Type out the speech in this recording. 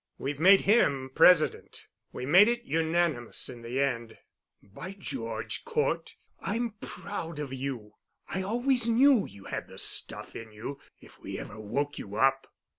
We've made him president. We made it unanimous in the end." "By George, Cort, I'm proud of you. I always knew you had the stuff in you if we ever woke you up."